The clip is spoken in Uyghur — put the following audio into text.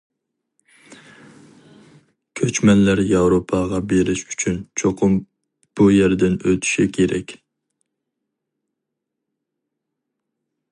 كۆچمەنلەر ياۋروپاغا بېرىش ئۈچۈن چوقۇم بۇ يەردىن ئۆتۈشى كېرەك.